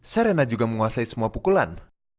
sarena juga menguasai semua pukulan